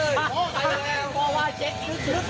แล้วก็หัวกล้อง